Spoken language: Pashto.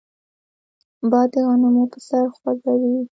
باد د غنمو پسر خوځوي